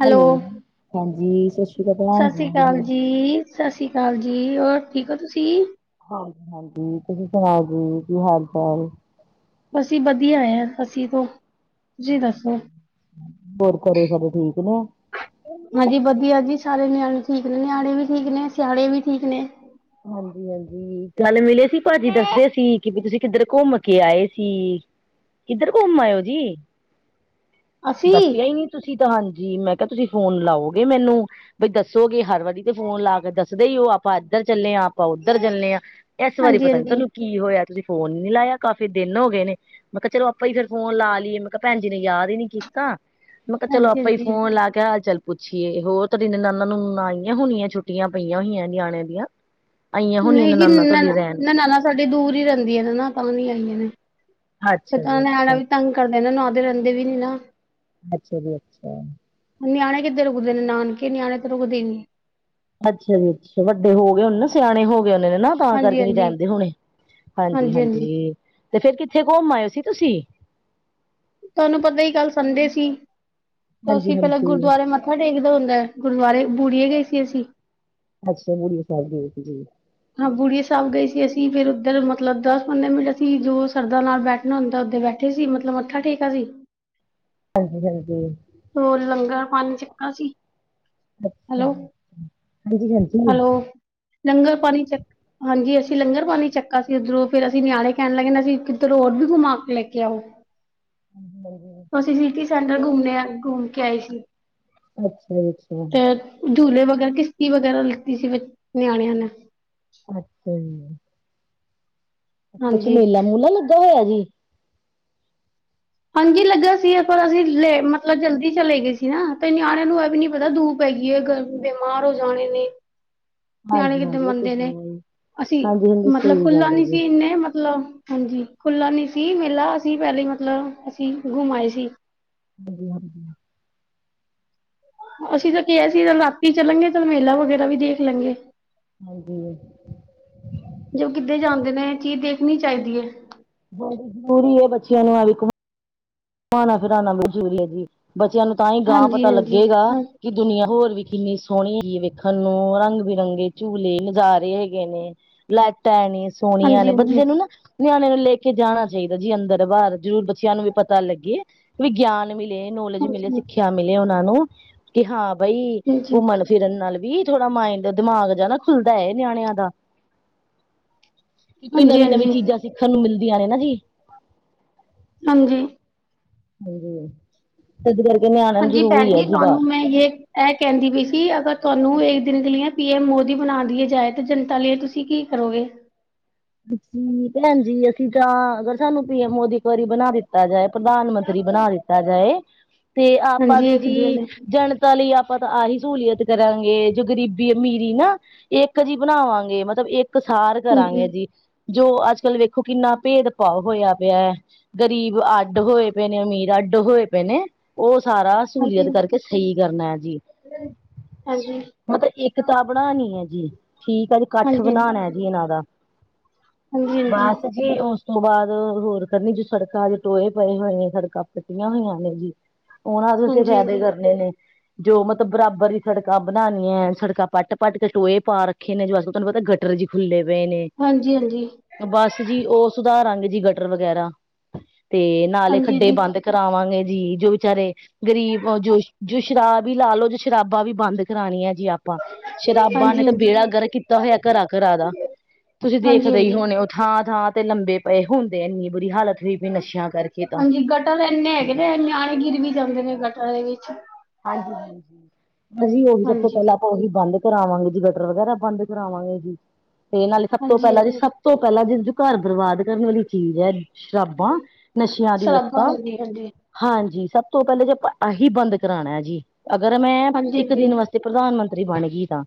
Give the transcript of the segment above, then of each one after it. Hello, ਹਾਂਜੀ ਸਤਿ ਸ਼੍ਰੀ ਅਕਾਲ ਸਤਿ ਸ੍ਰੀ ਭੈਣ ਅਕਾਲ ਹੋਰ ਜੀ। ਸਤਿ ਸ਼੍ਰੀ ਅਕਾਲ ਜੀ, ਹੋਰ ਠੀਕ ਹੋ ਤੁਸੀਂ? ਹਾਂਜੀ-ਹਾਂਜੀ, ਤੁਸੀਂ ਸੁਣਾਓ ਜੀ ਕੀ ਹਾਲ ਚਾਲ? ਅਸੀ ਵਧੀਆ ਹੈ, ਅੱਸੀ ਤੋਂ ਤੁਸੀਂ ਦੱਸੋ? ਹੋਰ ਘਰੇ ਸਾਡੇ ਠੀਕ ਨੇ? ਹਾਂਜੀ ਵਧੀਆ ਜੀ, ਸਾਰੇ ਨਿਆਣੇ ਠੀਕ ਨੇ ਨਿਆਣੇ ਵੀ ਠੀਕ ਨੇ ਸਿਆਣੇ ਵੀ ਠੀਕ ਨੇ। ਹਾਂਜੀ, ਹਾਂਜੀ, ਪਹਿਲੇ ਮਿਲੇ ਸੀ ਭਾਜੀ ਦੱਸਦੇ ਸੀ ਕਿ ਤੁਸੀਂ ਕਿੱਧਰ ਘੁੰਮ ਕੇ ਆਏ ਸੀ। ਕੀਧਰ ਘੁੰਮ ਆਇਓ ਜੀ। ਅਸੀਂ? ਦੱਸਿਆ ਹੀ ਨਹੀਂ ਤੁਸੀਂ ਤਾਂ ਹਾਂਜੀ ਮੈਂ ਕਿਹਾ ਤੁਸੀਂ ਫੋਨ ਲਓਗੇ ਮੈਨੂੰ ਬਈ ਦੱਸੋਗੇ ਹਰ ਵਾਰੀ ਤੇ ਫੋਨ ਲਾ ਕੇ ਦੱਸਦੇ ਈ ਉਹ ਆਪਾਂ ਇੱਧਰ ਚੱਲੇ ਹਾਂ ਆਪਾਂ ਉੱਧਰ ਚੱਲੇ ਹਾਂ। ਇਸ ਵਾਰੀ ਪਤਾ ਨੀ ਹਾਂਜੀ-ਹਾਂਜੀ, ਤੁਹਾਨੂੰ ਕੀ ਹੋਇਆ ਤੁਸੀਂ ਫੋਨ ਨੀ ਲਾਇਆ ਕਾਫ਼ੀ ਦਿਨ ਹੋ ਗਏ ਨੇ ਮੈਂ ਕਿਹਾ ਚਲੋ ਆਪਾਂ ਹੀ ਫਿਰ ਫੋਨ ਲਾ ਲਈਏ ਮੈਂ ਕਿਹਾ ਭੈਣੀ ਨੇ ਯਦ ਹੀ ਨੀ ਕੀਤੀ। ਤਾਂ ਮੈਂ ਕਿਹਾ ਚਲੋ ਆਪਾਂ ਹੀ ਹਾਂਜੀ-ਹਾਂਜੀ। ਫੋਨ ਲਾ ਕੇਹਾਲ ਚਾਲ। ਪੁੱਛੀਏ ਹੋਰ ਤੇਰੀ ਨਨਾਣ ਨੂੰ ਆਈਆਂ ਹੋਣੀਆਂ ਛੁੱਟੀਆਂ ਪਈਆਂ ਹੋਈਆਂ ਨਿਆਣੇ ਦੀਆਂ। ਆਈਆਂ ਹੋਣੀਆਂ ਨਹੀਂ ਜ ਨਨਾਨਾ ਨ ਤੁਹਾਡੀ ਰਹਿਣ ਨਣਾਨਾਂ ਸਾਡੀੇ ਦੂਰ ਹੀ ਰਹਿੰਦੀਆਂ ਨਾ ਤਾਂ ਵੀ ਨੀ ਆਈਆਂ ਨੇ ਸ ਅੱਛਾ ਜੀ ਨਿਆਣਾ ਅੱਛਾ ਵੀ ਤੰਗ ਕਰਦੇ ਨਾ ਨਹਾਦੇ ਰਹਿੰਦੇ ਵੀ ਨੀ ਨਾ ਅੱਛਾ ਜੀ ਅੱਛਾ ਨਿਆਣੇ ਕਿੱਦੇ ਰੁਕਦੇ ਨੇ ਨਾਨਕੇ ਨਿਆਣੇ ਤੇ ਰੁਕਦੇ ਨਿ ਅੱਛਾ ਜੀ ਅੱਛਾ ਵੱਡੇ ਹੋ ਗਏ ਉਹੇ ਨਾ ਸਿਆਣੇ ਹੋ ਗਏ ਹੋਨੇ ਨਾ ਤਾਂ ਕਰਕੇ ਨੀ ਹਾਂਜੀ-ਹਾਂਜੀ, ਜਾਂਦੇ ਹੋਣੇ ਹਾਂਜੀ ਹਾਂਜੀ-ਹਾਂਜੀ। ਹਾਂਜੀ ਤੇ ਫੇਰ ਕਿੱਥੇ ਘੁੰਮ ਆਏਓ ਸੀ ਤੁਸੀਂ ਤੁਹਾਨੂੰ ਪਤਾ ਹੀ ਕੱਲ ਸੰਡੇ ਸੀ ਹਾਂਜੀ ਅਸੀਂ ਪਹਿਲਾਂ ਹਾਂਜੀ ਗੁਰਦੁਆਰੇ ਮ ਮੱਥਾ ਟੇਕਦਾ ਹੁੰਦਾ ਹੈ ਗੁਰਦੁਆਰੇ ਬੁੜੀਏ ਗਏ ਸੀ ਅਸੀਂ ਅੱਛਾ ਬੁਰੀਆ ਸਹਿਬ ਗਾਏਸੀ ਹਾਂ ਬੁੜੀ ਸਾਹਿਬ ਗਏ ਸੀ ਅਸੀਂ ਫੇਰ ਉੱਧਰ ਮਤਲਬ ਦਸ ਪੰਦਰਾਂ ਮਿੰਟ ਅਸੀਂ ਜੋ ਸਰਦਾਂ ਨਾਲ ਬੈਠ ਹੁੰਦਾ ਓਦੇ ਬੈਠੇ ਸੀ ਮਤਲਬ ਮੱਥਾ ਠੇਕਾ ਸੀ ਹਾਂਜੀ ਹਾਂਜੀ, ਉਹ ਲੰਗਰ ਪਾਨਿ ਛਕਾ ਸੀ। ਅੱਛਾ ਹੈਲੋ ਹਾਂਜੀ ਹਾਂਜੀ ਹੈਲੋ ਲੰਗਰ ਪਾਣੀ ਛੱਕ ਹਾਂਜੀ ਅਸੀਂ ਲੰਗਰ ਪਾਣੀ ਛਕਾ ਸੀ ਉੱਧਰੋਂ ਫੇਰ ਅਸੀਂ ਨਿਆਣੇ ਕਹਿਣ ਲੱਗ ਅਸੀਂ ਕਿੱਧਰ ਹੋਰ ਵੀ ਘੁੰਮ ਕੇ ਲੈ ਕੇ ਆ। ਹਾਂਜੀ, [unintelligible] ਅਸੀਂ ਸਿਟੀ ਸੈਂਟਰ ਘੁੰਮਨ ਘੁੰਮ ਕੇ ਆਏ ਸੀ। ਅੱਛਾ ਜੀ ਅੱਛਾ, ਤੇ ਝੂਲੇ ਵਗੈਰਾ ਕਿਸ਼ਤੀ ਵਗੈਰਾ ਲਿੱਤੀ ਸੀ ਨਿਆਣਿਆਂ ਨੇ। ਅੱਛਾ ਜੀ, ਕੁਛ ਹਾਂਜੀ ਮੇਲਾ ਮੂਲਾ ਲੱਗਾ ਹੋਇਆ ਜੀ। ਹਾਂਜੀ ਲੱਗਾ ਸੀ ਪਰ ਅਸੀਂ ਲੈ ਮਤਲਬ ਜਲਦੀ ਚਲੇ ਗਏ ਸੀ ਨਾ ਤੇ ਨਿਆਣਿਆਂ ਨੂੰ ਇਹ ਵੀ ਨੀ ਪਤਾ ਦੂ ਪੈ ਗਈ ਹੈ। ਬਿਮਾਰ ਹੋ ਜਾਣੇ ਨੇ ਨਿਆਣੇ ਹਾਂਜੀ ਕਿੱਤੇ ਹਾਂਜੀ ਉਹ ਤੇ ਮੰਨਦੇ ਹੈ ਨੇ ਹੀ ਅਸੀਂ ਹਾਂਜੀ ਹਾਂਜੀ ਮਤਲਬ ਸਹੀ ਖੁੱਲਾ ਗੱਲ ਹੈ ਨੀ ਜੀ ਸੀ ਇੰਨੇ ਮਤਲਬ ਹਾਂਜੀ ਖੁੱਲਾ ਨੀ ਸੀ ਮੇਲਾ ਅਸੀਂ ਪਹਿਲੇ ਮਤਲਬ ਅਸੀਂ ਘੁੰਮ ਆਏ ਸੀ। ਹਾਂਜੀ ਹਾਂਜੀ, ਅਸੀਂ ਤਾਂ ਕਿਹਾ ਸੀ ਰਾਤੀ ਚੱਲਾਂਗੇ ਚੱਲ ਮੇਲਾ ਵਗੈਰਾ ਵੀ ਦੇਖ ਲਾਂਗੇ। ਹਾਂਜੀ ਜੋ ਕਿੱਧੇ ਜਾਂਦੇ ਨੇ ਇਹ ਚੀਜ਼ ਦੇਖਣੀ ਚਾਹੀਦੀ ਹੈ। ਬ ਜ਼ਰੂਰੀ ਹੈ ਬੱਚਿਆਂ ਨੂੰ ਇਹ ਵਿ ਘੁਮਾਣ ਘੁਮਉਣਾ ਫਿਰਾਉਣਾ ਵੀ ਜਰੂਰੀ ਹੈ ਜੀ ਬੱਚਿਆਂ ਨੂੰ ਤਾਂ ਹੀ ਗਾਂ ਹਾਂਜੀ ਪਤਾ ਹਾਂਜੀ ਲੱਗੇਗਾ। ਹਾਂ- ਕਿ ਦੁਨੀਆਂ ਹੋਰ ਵੀ ਕਿੰਨੀ ਸੋਹਣੀ ਹੈਗੀ ਵੇਖਣ ਨੂੰ ਰੰਗ ਬਿਰੰਗੇ ਝੂਲੇ ਨਜ਼ਾਰੇ ਹੈਗੇ ਨੇ। ਲਾਈਟਾਂ ਹੈ ਨਹੀ। ਸੋਹਣੀਆਂ ਹਾਂਜੀ ਨੇ ਹਾਂਜੀ ਹਾਂਜੀ ਬੰਦੇ ਨੂੰ ਨਾ ਨਿਆਣੇ ਨੂੰ ਲੈ ਕੇ ਜਾਣਾ ਚਾਹੀਦਾ ਜੀ ਅੰਦਰ ਬਾਹਰ ਜ਼ਰੂਰ ਬੱਚਿਆਂ ਨੂੰ ਵੀ ਪਤਾ ਪਤਾ ਲੱਗੇ ਵਿਗਿਆਨ ਮਿਲੇ ਨੌਲੇਜ ਮਿਲੇ ਸਿੱਖਿਆ ਮਿਲੇ ਉਹਨਾਂ ਨੂੰ ਕਿ ਹਾਂ ਬਾਈ ਹਾਂਜੀ ਘੁੰਮਣ ਫਿਰਨ ਨਾਲ ਵੀ ਥੋੜਾ ਮਾਇੰਡ ਦਿਮਾਗ ਜ ਨਾ ਖੁੱਲਦਾ ਹੈ ਨਿਆਣਿਆਂ ਦਾ। ਕਿ ਕੋਈ ਹਾਂਜੀ ਨਵੀਂ ਨਵੀਂ ਹਾਂਜੀ ਚੀਜ਼ਾਂ ਸਿੱਖਣ ਨੂੰ ਮਿਲਦੀਆਂ ਨੇ ਨਾ ਜੀ। ਹਾਂਜੀ, ਹਾਂਜੀ, ਇਸਦੇ ਕਰਕੇ ਨਿਆਣਾ ਹਾਂਜੀ ਜ਼ਰੂਰੀ ਹੀ ਭੈਣ ਹੈ ਜੀ ਤੁਹਾਨੂੰ ਬਾਹਰ ਮੈਂ ਯੇ ਇਹ ਕਹਿੰਦੀ ਪਈ ਸੀ ਅਗਰ ਤੁਹਾਨੂੰ ਇੱਕ ਦਿਨ ਕੇ ਲੀਏ ਪੀ ਐਮ ਮੋਦੀ ਬਣਾ ਦੀਏ ਜਾਏ ਤੇ ਜਨਤਾ ਲਈ ਤੁਸੀਂ ਕੀ ਕਰੋਗੇ। ਜੀ ਭੈਣ ਜੀ ਅਸੀਂ ਤਾਂ ਅਗਰ ਸਾਨੂੰ ਪੀ ਐਮ ਮੋਦੀ ਇੱਕ ਵਾਰੀ ਬਣਾ ਦਿੱਤਾ ਜਾਏ। ਪ੍ਰਧਾਨ ਮੰਤਰੀ ਬਣਾ ਦਿੱਤਾ ਜਾਏ ਤੇ ਆਪਾਂ ਹਾਂਜੀ ਦੇ ਇੱਕ ਜੀ ਦਿਨ ਲਈ ਜਨ। ਤਾਂ ਲਈ ਆਪਾਂ ਆਹੀ ਸਹੂਲੀਅਤ ਕਰਾਂਗੇ ਜੋ ਗਰੀਬੀ ਅਮੀਰੀ ਨਾ। ਇੱਕ ਜੀ ਬਣਾਵਾਂਗੇ, ਮਤਲਬ ਇੱਕ ਸਾਰ ਹਾਂਜੀ ਕਰਾਂਗੇ ਜੀ। ਜੋ ਅੱਜ ਕੱਲ ਵੇਖੋ ਕਿੰਨਾ ਭੇਦਭਾਵ ਹੋਇਆ ਪਿਆ ਹੈ ਗ਼ਰੀਬ ਆ। ਅੱਡ ਹੋਏ ਪਏ ਨੇ ਅਮੀਰ ਅੱਡ ਹੋਏ ਪਏ ਨੇ ਉਹ ਸਾਰਾ। ਸਹੂਲੀਅਤ ਹਾਂਜੀ। ਕਰਕੇ ਸਹੀ ਕਰਨਾ ਹੈ ਜੀ। ਹਾਂਜੀ ਮਤਲਬ ਏਕਤਾ ਬਣਾਉਣੀ ਹੈ ਜੀ ਠੀਕ ਆ ਜੀ ਇਕੱਠ ਹਾਂਜੀ ਹਾਂਜੀ ਬਣਾਉਣਾ ਹੈ ਜੀ ਇਹਨਾਂ ਦਾ। ਬਸ ਜੀ ਉਸ ਤੋਂ ਬਾਅਦ ਹੋਰ ਕਰਨੀ ਜੋ ਸੜਕਾਂ ਅੱਜ ਟੋਏ ਪਏ ਹੋਏ ਨੇ ਸੜਕਾਂ ਪੱਟੀਆਂ ਹੋਈਆਂ ਨੇ ਜੀ। ਉਹਨਾਂ ਨੂੰ ਤੁਸੀਂ ਫਾਇਦੇ ਹਾਂਜੀ। ਕਰਨੇ ਨੇ। ਜੋ ਮਤਲਬ ਬਰਾਬਰ ਹੀ ਸੜਕਾਂ ਬਣਾਉਣੀਆਂ ਹੈ ਸੜਕਾਂ ਪੱਟ ਪੱਟ ਕੇ ਟੋਏ ਪਾ ਰੱਖੇ ਨੇ ਜੋ ਤੁਹਾਨੂੰ ਪਤਾ ਗੱਡੀ। ਗਟਰ ਵੀ ਖੁੱਲ੍ਹੇ ਪਏ ਨੇ। ਹਾਂਜੀ ਹਾਂਜੀ। ਬਸ ਜੀ, ਉਹ ਸੁਧਾਰਾਂਗੇ ਜੀ ਗਟਰ ਵਗੈਰਾ ਤੇ ਨਾਲੇ ਹਾਂਜੀ ਖੱਡੇ ਹਾਂਜੀ ਬੰਦ। ਕਰਾਵਾਂਗੇ ਜੀ ਜੋ ਵਿਚਾਰੇ। ਗਰੀਬ ਜੋ ਜੋ ਸ਼ਰਾਬ ਵੀ ਲਾ ਲਓ ਜੀ ਸ਼ਰਾਬਾਂ ਵੀ ਬੰਦ ਕਰਾਉਣੀਆਂ ਜੀ ਆਪ। ਆਪਾਂ ਹਾਂਜੀ ਹਾਂਜੀ ਸ਼ਰਾਬਾਂ ਨੇ ਹਾਂਜੀ ਤਾਂ ਹਾਂਜੀ। ਬੇੜਾ ਗਰਕ ਕੀਤਾ ਹੋਇਆ ਘਰ ਘਰ ਦਾ। ਤੁਸੀਂ ਹਾਂਜੀ ਦੇਖਦੇ ਹੀ ਹਾਂਜੀ। ਹੋਣੇ ਹੋ ਥਾਂ ਥਾਂ ਤੇ ਲੰਮੇ ਪਏ ਹੁੰਦੇ ਇੰਨੀ ਬੁਰੀ ਹਾਲਤ ਹੋਈ ਪਈ ਨਸ਼ਿਆਂ ਕਰਕੇ ਤਾਂ। ਤਾਂ ਇੰਨੇ ਹੈਗੇ ਨੇ ਨਿਆਣੇ ਗਿਰ ਵੀ ਜਾਂਦੇ ਨੇ ਗਟਰ ਦੇ ਵਿੱਚ। ਹਾਂਜੀ, ਹਾਂਜੀ, ਹਾਂਜੀ ਉਹੀ ਸਭ ਤੋਂ ਹਾਂਜੀ ਪਹਿਲਾਂ। ਉਹੀ ਬੰਦ ਕਰਾਵਾਂਗੇ ਜੀ ਗਟਰ ਵਗੈਰਾ ਬੰਦ ਕਰਾਵਾਂਗੇ ਜੀ ਤੇ ਇਹ ਨਾਲੇ ਸਭ ਤੋਂ ਹਾਂਜੀ ਪਹਿਲਾਂ ਜੀ ਹਾਂਜੀ ਸ। ਤੋਂ ਪਹਿਲਾਂ ਜਿ ਘਰ ਬਰਬਾਦ ਕਰਨ ਵਾਲੀ ਚੀਜ਼ ਹੈ। ਸ਼ਰਾਬਾਂ ਨਸ਼ਿਆਂ ਦੀ ਸ਼ਰਾਬਾਂ ਲੱਤਾਂ। ਹਾਂਜੀ ਹਾਂਜੀ। ਹਾਂਜੀ ਸਭ ਤੋਂ ਪਹਿਲੇਾਂ ਜੇ ਆਹੀ ਬੰਦ ਕਰਾਉਣਾ ਜੀ। ਅਗਰ ਮੈਂ ਹਾਂਜੀ ਇੱਕ ਦਿਨ ਹਾਂਜੀ ਵਾਸਤੇ ਤੇ ਪ੍ਰਧਾਨ ਮੰਤਰੀ ਬਣ ਗਈ ਤਾਂ।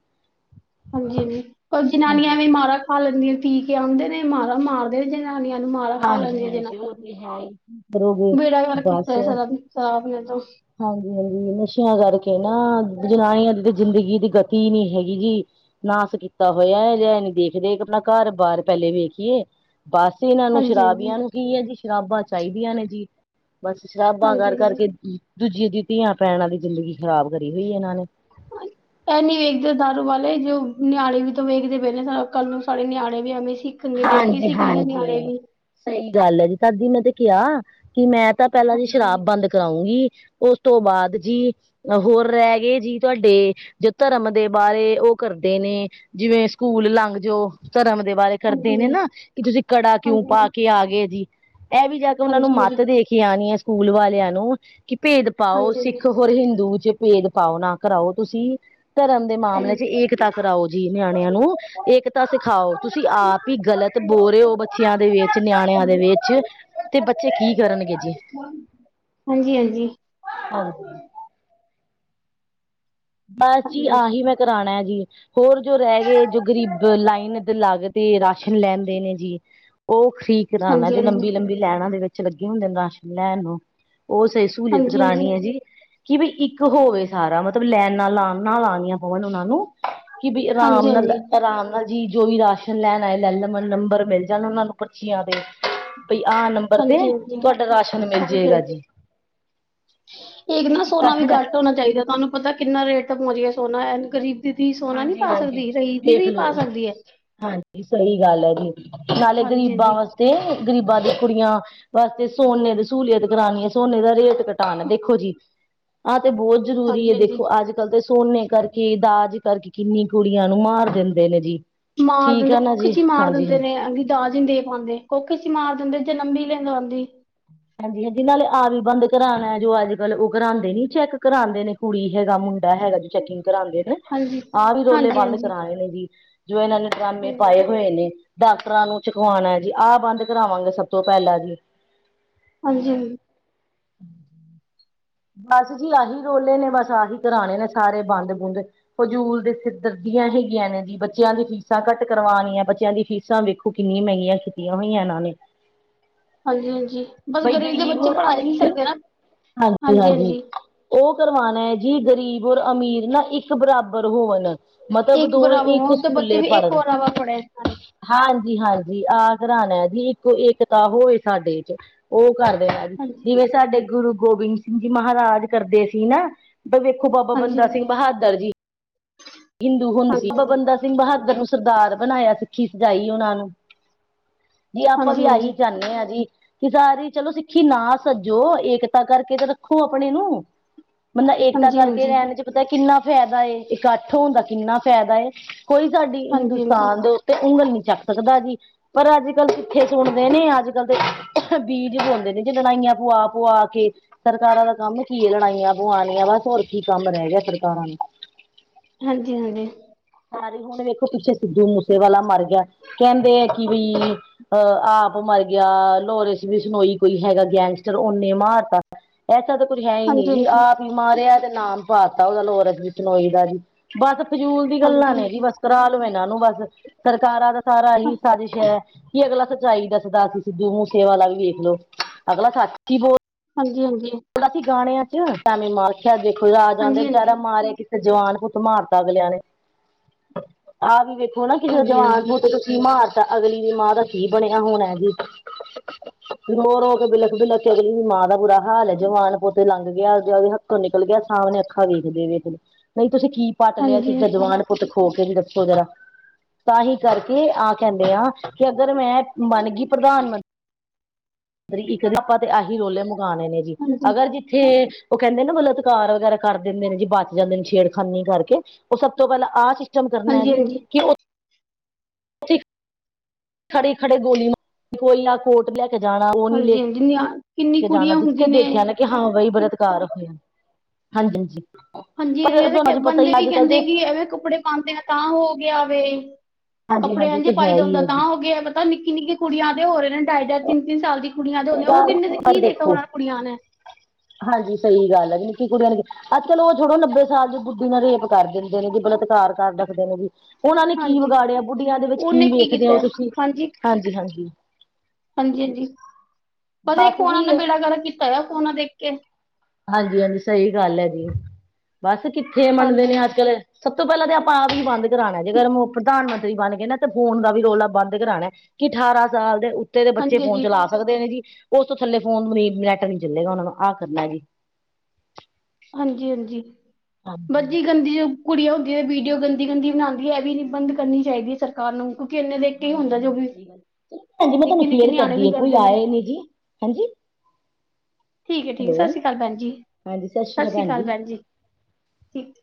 ਹਾਂਜੀ ਹਾਂਜੀ ਕੋ ਜਨਾਨੀਆਂ ਵੀ ਮਾਰਾ ਖਾ ਲੈਂਦੀਆਂ ਪੀ ਕੇ ਆਉਂਦੇ ਨੇ ਮਾਰਾ ਮਾਰਦੇ ਨੇ। ਜਨਾਨੀਆਂ ਨੂੰ ਮਾਰਾ ਖਾ ਲੈਂਦੀਆਂ ਹਾਂਜੀ-ਹਾਂਜੀ-ਹਾਂਜੀ ਉਹ ਤੇ ਹੈ ਈ। ਕਰੋਗੇ ਬੇੜਾ ਮਾਰ ਕੀਤਾ ਸਾਰਾ ਸ਼ਰਾਬ ਨੇ ਤਾਂ। ਹਾਂਜੀ, ਹਾਂਜੀ ਨਸ਼ਿਆਂ ਕਰਕੇ ਨਾ ਜਨਾਨੀਆਂ ਦੀ ਤਾਂ ਜ਼ਿੰਦਗੀ ਦੀ ਗਤੀ ਨੀ ਹੈਗੀ ਜੀ। ਨਾਸ ਕੀਤਾ ਹੋਇਆ ਜੀ ਇਹ ਨੀ ਦੇਖਦੇ ਆਪਣਾ ਘਰ ਬਾਹਰ ਪਹਿਲੇ ਵੇਖੀਏ ਬਸ ਇਹ ਨਾ। ਹਾਂਜੀ-ਹਾਂਜੀ, ਸ਼ਰਾਬੀਆਂ ਨੂੰ ਕੀ ਹੈ ਜੀ। ਸ਼ਰਾਬਾਂ ਚਾਹੀਦੀਆਂ ਨੇ ਜੀ ਬਸ ਸ਼ਰਾਬਾਂ ਕਰ ਹਾਂਜੀ-ਹਾਂਜੀ। ਕਰਕੇ। ਦੂਜੀਆਂ ਦੀ ਧੀਆਂ ਭੈਣਾਂ ਦੀ ਜ਼ਿੰਦਗੀ ਖ਼ਰਾਬ ਕਰੀ ਹੋਈ ਇਹਨਾਂ ਨੇ। ਹ [unintelligible] ਇਹ ਨੀ ਵੇਖਦੇ ਦਾਰੂ ਵਾਲੇ ਜੋ ਨਿਆਣੇ ਵੀ ਤਾਂ ਵੇਖਦੇ ਪਏ ਨੇ ਕੱਲ ਨੂੰ ਸਾਡੇ ਨਿਆਣੇ ਵੀ ਐਵੇਂ ਸਿ। ਸਿਖਣ ਗਏ ਦੇਖ ਕੇ ਸਿੱਖਦੇ ਨੇ ਨਿਆਣੇ ਹਾਂਜੀ-ਹਾਂਜੀ। ਵੀ ਸਹੀ ਗੱਲ ਹੈ ਜੀ ਤਦ ਇ ਮੈਂ ਤੇ ਕਿਹਾ ਕਿ ਮੈਂ ਤਾਂ ਪਹਿਲਾਂ ਜੀ ਹਾਂਜੀ-ਹਾਂਜੀ, ਸ਼ਰਾਬ ਬੰਦ ਕਰਾਊਂਗੀ ਉਸ ਤੋਂ ਬਾਅਦ ਜੀ। ਹੋਰ ਰਹਿ ਗਏ ਜੀ ਤੁਹਾਡੇ ਜੋ ਧਰਮ ਦੇ ਬਾਰੇ ਉਹ ਕਰਦੇ ਨੇ। ਜਿਵੇਂ ਸਕੂਲ ਲੰਘ ਜਾਓ ਧਰਮ ਦੇ ਬਾਰੇ ਕਰਦੇ ਨੇ ਹਾਂਜੀ-ਹਾਂਜੀ, ਨਾ ਕਿ ਤੁਸੀਂ ਕੜਾ ਕਿਉਂ ਪਾ ਕੇ ਆ ਗਏ ਜੀ ਇਹ ਵੀ ਜਾ ਕੇ ਉਹਨਾਂ ਨੂੰ ਹਾਂਜੀ-ਹਾਂਜੀ, ਮੱਤ ਦੇਕੇ। ਆ ਆ ਸਕੂਲ ਵਾਲਿਆਂ ਨੂੰ ਕਿ ਭੇਦ ਪਾਓ ਹਾਂਜੀ-ਹਾਂਜੀ, ਸਿੱਖ ਹੋਰ ਹਿੰਦੂ ਚ ਭੇਦ ਪਾਓ ਨਾ ਕਰਾਓ ਤੁਸੀਂ। ਧਰਮ ਦੇ ਮਾਮਲੇ ਚ ਹਾਂਜੀ-ਹਾਂਜੀ, ਹਾਂਜੀ। ਏਕਤਾ ਕਰਾਓ ਜੀ ਨਿਆਣਿਆਂ ਨੂੰ ਏਕਤਾ ਸਿਖਾਓ। ਤੁਸੀਂ ਆਪ ਗ਼ਲਤ ਬੋ ਰਹੇ ਹੋ ਬੱਚਿਆਂ ਦੇ ਵਿੱਚ ਨਿਆਣਿਆਂ ਦੇ ਵਿੱਚ। ਤੇ ਬੱਚੇ ਕੀ ਕਰਨਗੇ ਜੀ। ਹਾਂਜੀ ਹਾਂਜੀ। ਹਾਂ। ਬੱਸ ਜੀ ਆਹੀ ਮੈਂ ਕਰਾਉਣਾ ਹੈ ਜੀ ਹੋਰ ਜੋ ਰਹਿ ਗਏ ਜੋ ਗਰੀਬ ਲਾਈਨ ਇੱਧਰ ਲਗਦੇ। ਤੇ ਰਾਸ਼ਨ ਲੈਂਦੇ ਨੇ ਜੀ ਉਹ ਠੀਕ ਰਹਿਣਾ ਹਾਂਜੀ, ਜੋ ਲੰਬੀ- ਹਾਂਜੀ-ਹਾਂਜੀ, ਲੰਬੀ ਲਾਈਨਾ ਦੇ ਵਿੱਚ ਲੱਗੇ ਹੁੰਦੇ ਨੇ ਰਾਸ਼ਨ ਲੈਣ ਨੂੰ, ਉਹ ਸਹੀ ਸਹੂਲੀਅਤ ਕਰਾਉਣੀ ਹੈ ਜੀ ਕਿ ਵੀ ਇੱਕ ਹੋਵੇ ਸਾਰਾ ਮੱਤਲਬ ਲਾਈਨਾ ਲਾਉਣੀਆਂ ਹੋਣ ਉਹਨਾਂ ਨੂੰ ਕਿ ਵੀ ਆਰਾਮ ਨਾਲ, ਹਾਂਜੀ-ਹਾਂਜੀ, ਹਾਂਜੀ-ਹਾਂਜੀ, ਆਰਾਮ ਹਾਂਜੀ ਜੋ ਵੀ ਰਾਸ਼ਨ ਲੈਣ ਆਏ ਲੈ ਲਵੇ ਨੰਬਰ ਮਿਲ ਜਾਣਾ ਉਹਨਾਂ ਨੂੰ ਪਰਚੀਆਂ ਦੇ, ਬਈ ਆਹ ਨੰਬਰ ਬਰ ਤੇ ਹਾਂਜੀ-ਹਾਂਜੀ। ਤੁਹਾਡਾ ਰਾਸ਼ਨ ਮਿਲ ਹਾਂਜੀ, ਜਾਏਗਾ ਜੀ ਹਾਂਜੀ। ਇੱਕ ਨਾ ਸੋਨਾ ਵੀ ਇਕੱਠ ਘੱਟ ਹੋਣਾ ਚਾਹੀਦਾ ਤੁਹਾਨੂੰ ਪਤਾ ਕਿੰਨਾ ਰੇਟ ਤੇ ਪਹੁੰਚ ਗਿਆ ਸੋਨਾ ਇਹਨਾਂ ਕਰੀਬ ਸਥਿਤੀ ਸੋਨਾ ਨਹੀਂ ਪਾ ਹਾਂਜੀ-ਹਾਂਜੀ ਸਕਦੀ ਸਹੀ ਦੇਖ ਦੀਦੀ ਪਾ ਲਓ। ਸਕਦੀ ਹੈ ਹਾਂਜੀ ਸਹੀ ਗੱਲ ਹੈ ਜੀ, ਨਾਲੇ ਹਾਂਜੀ, ਗ਼ਰੀਬਾਂ ਹਾਂਜੀ, ਵਾਸਤੇ ਗ਼ਰੀਬਾਂ ਦੀ ਕੁੜੀਆਂ ਵਾਸਤੇ ਸੋਨੇ ਦੀ ਸਹੂਲੀਅਤ ਕਰਾਉਣੀ ਹੈ, ਸੋਨੇ ਦਾ ਰੇਟ ਘਟਾਉਣਾ ਦੇਖੋ ਜੀ ਆਹ ਤੇ ਬਹੁਤ ਜ਼ਰੂਰੀ ਹੈ ਹਾਂਜੀ, ਹਾਂਜੀ। ਦੇਖੋ ਅੱਜ ਕੱਲ ਤੇ ਸੋਨੇ ਕਰਕੇ ਦਾਜ਼ ਕਰਕੇ ਕਿੰਨੀ ਕੁੜੀਆਂ ਨੂੰ ਮਾਰ ਦਿੰਦੇ ਨੇ ਜੀ ਮਾਰ ਠੀਕ ਦਿੰਦੇ, ਆ ਨਾ ਕੁੱਖ ਚ ਜੀ ਹੀ ਮਾਰ ਹਾਂਜੀ। ਹਾਂਜੀ ਦਿੰਦੇ ਨੇ ਦਾਜ ਹੀ ਦੇ ਪਾਉਂਦੇ ਕੁਖ ਵਿਚ ਮਾਰ ਦਿੰਦੇ ਜਾਂ ਲੰਬੀ ਲੈਂਦਾ ਆਉਂਦੀ ਹਾਂਜੀ- ਹਾਂਜੀ ਨਾਲੇ ਆਪ ਵੀ ਬੰਦ ਕਰਾਉਣਾ ਹੈ ਜੋ ਅੱਜ ਕੱਲ ਉਹ ਕਰਾਉਂਦੇ ਨੇ ਚੈੱਕ ਕਰਾਉਂਦੇ ਨੇ ਕੁੜੀ ਹੈਗਾ ਮੁੰਡਾ ਹੈਗਾ ਜੀ ਚੈਕਿੰਗ ਕਰਾਉਂਦੇ ਨੇ ਹਾਂਜੀ, ਆਹ ਵੀ ਰੋਲੇ ਹਾਂਜੀ, ਬੰਦ ਹਾਂਜੀ, ਕਰਾਨੇ ਜੀ ਜੋ ਇਹਨਾਂ ਨੇ ਡਰਾਮੇ ਹਾਂਜੀ, ਪਾਏ ਹੋਏ ਨੇ ਡਾਕਟਰਾਂ ਨੂੰ ਚੁਕਵਾਉਣਾ ਜੀ ਆਹ ਬੰਦ ਕਰਾਵਾਂਗੇ ਸੱਭ ਤੋਂ ਪਹਿਲਾਂ ਜੀ ਹਾਂਜੀ ਹਾਂਜੀ [unintelligible] [unintelligible] ਬੱਸ ਜੀ ਆਹੀ ਰੋਲੇ ਨੇ ਬੱਸ ਆਹੀ ਕਰਾਨੇ ਨੇ ਸਾਰੇ ਬੰਦ ਬੂੰਦ ਫਜ਼ੂਲ ਦੇ ਸਿਰ ਦਰਦੀਆਂ ਹੈਗੀਆਂ ਨੇ ਜੀ ਬੱਚਿਆਂ ਦੀ ਫੀਸਾਂ ਘੱਟ ਕਰਵਾਉਣੀਆਂ ਬੱਚਿਆਂ ਦੀ ਫੀਸਾਂ ਵੇਖੋ ਕਿੰਨੀਆਂ ਮਹਿੰਗੀਆਂ ਮਹਿੰਗੀਆਂ ਕੀਤੀਆਂ ਹੋਈਆਂ ਇਹਨਾਂ ਨੇ ਹਾਂਜੀ-ਹਾਂਜੀ ਬੱਸ ਬਈ ਗਰੀਬ ਦੇ ਬੱਚੇ ਪੜ੍ਹ ਹੀ ਨਹੀਂ ਸਕਦੇ ਨਾਂ ਹਨਾ ਜੀ [unintelligible] ਉਹ ਕਰਵਾਉਣਾ ਹੈ ਜੀ ਗਰੀਬ ਔਰ ਅਮੀਰ ਨਾ ਇੱਕ ਬਰਾਬਰ ਹੋਣ ਮਤਲਬ ਇੱਕ ਦੋਵੇਂ ਬਰਾਬਰ ਇੱਕ ਹੋਣ ਤੇ ਬੱਚੇ ਸਕੂਲੇ ਵੀ ਇੱਕ ਪੜ੍ਹਦੇ ਬਰਾਬਰ ਪੜ੍ਹੇ, ਹਾਂਜੀ, ਹਾਂਜੀ- ਹਾਂਜੀ ਆਹ ਕਰਾਣਾ ਜੀ ਇੱਕੋ ਏਕਤਾ ਹੋਏ ਸਾਡੇ ਚ ਉਹ ਕਰਦੇ ਆ ਜੀ ਹਾਂਜੀ, ਜਿਵੇਂ ਸਾਡੇ ਗੁਰੂ ਗੋਬਿੰਦ ਸਿੰਘ ਜੀ ਮਹਾਰਾਜ ਕਰਦੇ ਸੀ ਨਾਂ ਵੇਖੋ ਬਾਬਾ ਹਾਂਜੀ। ਬੰਦਾ ਸਿੰਘ ਹਾਂਜੀ, ਬਹਾਦਰ ਜੀ, ਹਿੰਦੂ ਸੀ ਹਾਂਜੀ, ਬਾਬਾ ਹਾਂਜੀ, ਹਾਂਜੀ, ਬੰਦਾ ਸਿੰਘ ਬਹਾਦਰ ਨੂੰ ਸਰਦਾਰ ਬਣਾਇਆ ਸਿੱਖੀ ਸਜਾਈ ਉਹਨਾਂ ਨੂੰ ਜੀ ਆਪਾਂ ਵੀ ਹਾਂਜੀ, ਆਹੀ ਚਾਹੁੰਦੇ ਹਾਂ ਜੀ ਕਿ ਸਾਰੀ ਚਲੋ ਸਿੱਖੀ ਨਾ ਸੱਜੋ ਏਕਤਾ ਕਰਕੇ ਤੇ ਰੱਖੋ ਆਪਣੇ ਨੂੰ ਬੰਦਾ ਏਕਤਾ ਹਾਂਜੀ। ਕਰਕੇ ਹਾਂਜੀ ਰਹਿਣ ਚ ਪਤਾ ਕਿੰਨਾ ਫਾਇਦਾ ਏ, ਇਕੱਠ ਹੋਣ ਦਾ ਕਿੰਨਾ ਫਾਇਦਾ ਕੋਈ ਸਾਡੀ ਹਾਂਜੀ-ਹਾਂਜੀ, ਹਿੰਦੁਸਤਾਨ ਦੇ ਉੱਤੇ ਉਂਗਲ ਨੀ ਚੱਕ ਸਕਦਾ ਜੀ ਪਰ ਅੱਜ ਕੱਲ ਕਿੱਥੇ ਸੁਣਦੇ ਨੇ ਅੱਜ ਕੱਲ੍ਹ ਦੇ ਬੀਜ ਹੁੰਦੇ ਨੇ ਜੇ ਲੜਾਈਆਂ ਪੁਆ- ਪੁਆ ਕੇ ਸਰਕਾਰਾਂ ਦਾ ਕੰਮ ਕੀ ਹੈ ਲੜਾਈਆਂ ਪੁਆਉਣੀਆਂ ਬੱਸ ਹੋਰ ਕੀ ਕੰਮ ਰਹਿ ਗਿਆ ਸਰਕਾਰਾਂ ਨੂੰ ਹਾਂਜੀ-। ਹਾਂਜੀ ਸਾਰੇ ਹੁਣ ਵੇਖੋ ਪਿੱਛੇ ਸਿੱਧੂ ਮੂਸੇਵਾਲਾ ਮਰ ਗਿਆ ਕਹਿੰਦੇ ਆ ਕਿ ਬਈ ਅਹ ਆਪ ਮਰ ਗਿਆ ਲੋਰਿੰਸ ਬਿਸ਼ਨੋਈ ਕੋਈ ਹੈਗਾ ਗੈਂਗਸਟਰ ਉਹਨੇ ਮਾਰਤਾ। ਐਸਾ ਤਾਂ ਕੁਝ ਹੈ ਹੀ ਨੀ ਜੀ ਹਾਂਜੀ-ਹਾਂਜੀ, ਆਪ ਹੀ ਮਾਰਿਆ ਤੇ ਨਾਮ ਪਾਤਾ ਉਹਦਾ ਲਾਰੈਂਸ ਬਿਸ਼ਨੋਈ ਦਾ ਜੀ। ਬਸ ਫਜੂਲ ਦੀ ਗੱਲਾਂ ਨੇ ਜੀ ਹਾਂਜੀ-ਹਾਂਜੀ, ਬਸ ਕਰਾ ਲਓ ਇਹਨਾਂ ਨੂੰ ਬਸ ਸਰਕਾਰਾਂ ਦਾ ਸਾਰਾ ਹੀ ਸਾਜਿਸ਼ ਹੈ। ਕੀ ਅਗਲਾ ਸੱਚਾਈ ਦਾੱਸਦਾਸੀ ਸਿੱਧੂ ਮੂੰਹ ਸੇਵਾ ਲਾ ਵੀ ਵੇਖ ਲੋ, ਅਗਲਾ ਸੱਚੀ ਬੋਲ ਹਾਂਜੀ -ਹਾਂਜੀ। ਦਾ ਸੀ ਗਾਣਿਆਂ ਚ ਟੈਮ ਮਾਰ ਰਖਿਆ ਦੇਖੋ ਹਾਂਜੀ-ਹਾਂਜੀ, ਰਾਜ ਆਂਦੇ ਵਿਚਾਰਾ ਹਾਂਜੀ-ਹਾਂਜੀ, ਮਾਰਿਆ ਜਵਾਨ ਪੁੱਤ ਮਾਰਤਾ ਅਗਲਿਆਂ ਨੇ, ਆਹ ਵੀ ਵੇਖੋ ਨਾ ਕਿਸੇ ਦਾ ਹਾਂਜੀ-ਹਾਂਜੀ, ਜਵਾਨ ਪੁੱਤ ਕੀ ਮਾਰਤਾ ਅਗਲੀ ਦੀ ਮਾਂ ਦਾ ਕੀ ਬਣਿਆ ਹੋਣਾ ਜੀ। ਰੋ-ਰੋ ਕੇ ਬਿਲਕ- ਬਿਲਕ ਕੇ ਅਗਲੀ ਦੀ ਮਾਂ ਦਾ ਬੁਰਾ ਹਾਲ ਜੀ ਜਵਾਨ ਪੁੱਤ ਲੰਘ ਗਿਆ ਉਹਦੇ ਹੱਥੋਂ ਨਿਕਲ ਗਿਆ, ਸਾਹਮਣੇ ਅੱਖਾਂ ਵੇਖਦੇ -ਵੇਖਦੇ ਨਹੀਂ, ਤੁਸੀਂ ਕੀ ਪੱਟ ਲਿਆ ਕਿ ਜਿਥੇ ਜਵਾਨ ਪੁੱਤ ਖੋ ਕੇ ਵੀ ਦੱਸੋਰਾ ਤਾਂ ਹੀ ਕਰਕੇ ਆਹ ਕਹਿੰਦੇ ਆ ਕਿ ਅਗਰ ਮੈਂ ਬਣ ਗਈ ਪ੍ਰਧਾਨ ਮੰਤਰੀ ਇੱਕ ਆਪਾਂ ਤੇ ਆਹੀ ਰੋਲੇ ਮੰਗਾਵਾਉਣੇ ਨੇ ਜੀ ਹਾਂਜੀ, ਅਗਰ ਜਿੱਥੇ ਉਹ ਕਹਿੰਦੇ ਨੇ ਬਾਲਤਕਾਰ ਵਗੈਰਾ ਕਰ ਦਿੰਦੇ ਨੇ ਜੀ ਬਚ ਜਾਂਦੇ ਨੇ ਸ਼ੇਰ ਖਾਲੀ ਕਰਕੇ ਉਹ ਸਭ ਤੋਂ ਪਹਿਲਾਂ ਆਹ ਸੀ ਖਤਮ ਕਰਨਾ ਜੀ। ਹਾਂਜੀ-ਹਾਂਜੀ, ਕਿ ਉੱਥੇ ਖੜੀ ਖੜੇ ਗੋਲੀ ਮਾਰ, ਕੋਈ ਨਾ ਕੋਰਟ ਲੈ ਕੇ ਜਾਣਾ ਉਹ ਨੀ ਲੈ ਕੇ ਜਿੰਨੀਆਂ ਕਿੰਨੀ ਜਾਣਾ ਕੁੜੀਆਂ ਜਿੱਥੇ ਹੁੰਦੀ ਨੇ ਦੇਖਿਆ ਨਾ ਕਿ ਹਾਂ ਬਾਈ ਬਲਾਤਕਾਰ ਹੋਇਆ ਹਾਂਜੀ ਹਾਂਜੀ। ਹਾਂਜੀ ਪਰ ਤੁਹਾਨੂੰ ਇਵੇਂ ਅੱਜ ਪਤਾ ਬੰਦੇ ਹੀ ਵੀ ਅੱਜ ਕੱਲ ਕਹਿੰਦੇ ਤੇ ਕਿ ਐਵੇਂ ਕੱਪੜੇ ਪਾਦੇ ਆ ਤਾਂ ਹੋ ਗਿਆ ਵੇ। ਹਾਂਜੀ ਕੱਪੜੇ ਹਾਂਜੀ ਉਹ ਇੰਝ ਤੇ ਹੈ ਪਾਈਏ ਹੀ ਹੁੰਦਾ ਹੈ ਤਾਂ ਜੀ ਹੋ ਗਿਆ। ਨਿੱਕੀ ਨਿੱਕੇ ਕੁੜੀਆਂ ਦੇ ਹੋ ਰਹੇ ਨੇ ਢਾਈ-ਢਾਈ ਤਿੰਨ-ਤਿੰਨ ਸਾਲ ਦੀ ਕੁੜੀਆਂ ਦੇ ਹੋ ਨੇ ਉਹ ਗੱਲ ਕਿੰਨੇ ਕੀ ਪਰ ਦੇਖਿਆ ਉਹ ਦੇਖੋ ਕੁੜੀਆਂ ਨੇ। ਹਾਂਜੀ ਸਹੀ ਗੱਲ ਆ ਜੀ ਨਿੱਕੀ ਕੁੜੀਆਂ ਨੇ ਅਹ ਚਲੋ ਉਹ ਛੋੜੋ ਨੱਬੇ ਸਾਲ ਦੀ ਬੁੱਢੀਆ ਦਾ ਰੇਪ ਕਰ ਦਿੰਦੇ ਨੇ ਜੀ, ਬਲਾਤਕਾਰ ਕਰ ਦੇ ਨੇ ਜੀ। ਉਹਨਾਂ ਨੇ ਕੀ ਹਾਂਜੀ ਵਿਗਾੜਿਆ ਬੁੱਢੀਆਂ ਦੇ ਵਿੱਚ ਉਹਨੇ ਕੀ ਵੇਖਦੇ ਕੀਤਾ ਹੋ ਹੈ? ਤੁਸੀਂ ਹਾਂਜੀ ਹਾਂਜੀ। ਹਾਂਜੀ ਹਾਂਜੀ। ਬਸ ਇੱਕ ਫੋਨਾ ਨੇ ਬੇੜਾਗਰਕ ਕੀਤਾ ਆ ਫੋਨਾ ਦੇਖ ਕੇ ਹਾਂਜੀ ਹਾਂਜੀ ਸਹੀ ਗੱਲ ਹੈ ਜੀ ਬਸ ਕਿੱਥੇ ਮੰਨਦੇ ਹਾਂਜੀ, ਨੇ ਅੱਜ ਕੱਲ ਸਭ ਤੋਂ ਪਹਿਲਾਂ ਤਾਂ ਆਪਾਂ ਆ ਵੀ ਹੀ ਬੰਦ ਕਰਾਉਣਾ ਜੇਕਰ ਪ੍ਰਧਾਨ ਮੰਤਰੀ ਬਣ ਗਏ ਨਾ ਤੇ ਫੋਨ ਦਾ ਵੀ ਰੋਲਾ ਬੰਦ ਕਰਾਉਣਾ। ਕਿ ਅਠਾਰਾਂ ਸਾਲ ਦੇ ਉਤੇ ਦੇ ਬੱਚੇ ਹਾਂਜੀ, ਫੋਨ ਹਾਂਜੀ, ਚਲਾ ਸਕਦੇ ਨੇ ਜੀ ਉਸ ਤੋਂ ਥੱਲੇ ਫੋਨ ਨੀ ਨੈਟ ਨੀ ਚੱਲੇਗਾ ਉਹਨਾ ਨੂੰ ਆਹ ਕਰਨਾ ਜੀ। ਹਾਂਜੀ ਹਾਂਜੀ। ਹਾਂਜੀ ਮਰਜੀ ਗੰਦੀ ਜੋ ਕੁੜੀਆਂ ਹੁੰਦੀਆਂ ਵੀਡੀਓ ਗੰਦੀ ਗੰਦੀ ਬਣਾਉਂਦੀ ਹੈ ਇਹ ਵੀ ਨਿ ਬੰਦ ਕਰਨੀ ਚਾਹੀਦੀ ਹੈ ਸਰਕਾਰ ਨੂੰ। ਕਿਉਂਕਿ ਇੰਨੇ ਦੇਖ ਕੇ ਹੀ ਹਾਂਜੀ ਹੁੰਦਾ ਜੋ ਵੀ ਹਾਂਜੀ, ਮੈਂ ਤੁਹਾਨੂੰ ਨਿੱਕੇ ਨਿੱਕੇ ਫੇਰ ਨਿਆਣੇ ਵੀ ਕਰਦੀ ਕੋਈ ਕਰਦੇ ਨੇ ਆਏ ਨੀ ਜੀ। ਹਾਂਜੀ। ਠੀਕ ਹੈ ਠੀਕ ਹੈ ਹੈਲੋ ਸਤਿ ਸ਼੍ਰੀ ਅਕਾਲ ਭੈਣ ਜੀ। ਸਤਿ ਸ਼੍ਰੀ ਅਕਾਲ ਭੈਣ ਜੀ ਠੀਕ।